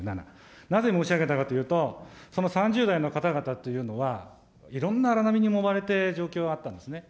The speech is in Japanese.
なぜ申し上げたかというと、その３０代の方々というのはいろんな荒波にもまれている状況があったんですね。